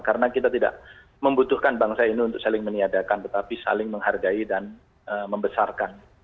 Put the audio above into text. karena kita tidak membutuhkan bangsa ini untuk saling meniadakan tetapi saling menghargai dan membesarkan